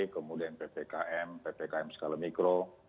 kemudian ppkm ppkm skala mikro